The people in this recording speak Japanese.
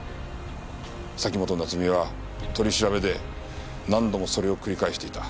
崎本菜津美は取り調べで何度もそれを繰り返していた。